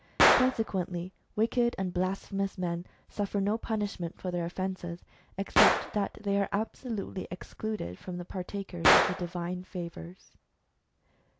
Consequently, wicked and blasphemous men suffer no punishment for their offences, except that they are absolutely excluded from being partakers of the divine favours.